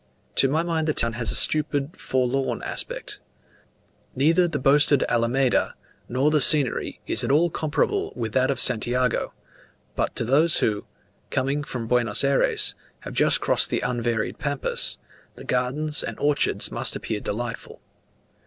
To my mind the town had a stupid, forlorn aspect. Neither the boasted alameda, nor the scenery, is at all comparable with that of Santiago; but to those who, coming from Buenos Ayres, have just crossed the unvaried Pampas, the gardens and orchards must appear delightful.